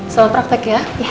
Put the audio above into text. selalu praktek ya